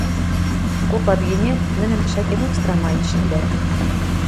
Попат гӹнят, нӹнӹм тӹшӓкенок страмаен шӹндӓт: